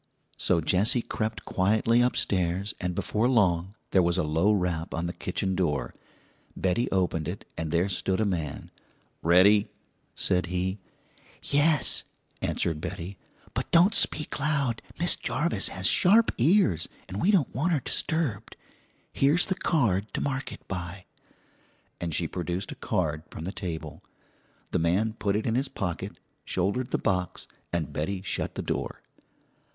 So Jessie crept quietly upstairs, and before long there was a low rap on the kitchen door. Betty opened it, and there stood a man. "Ready?" said he. "Yes," answered Betty; "but don't speak loud; Miss Jarvis has sharp ears, 'n' we don't want her disturbed. Here's the card to mark it by," and she produced a card from the table. The man put it in his pocket, shouldered the box, and Betty shut the door.